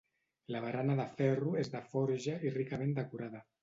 La barana de ferro és de forja i ricament decorada.